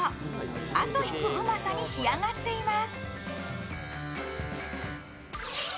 あと引くうまさに仕上がっています。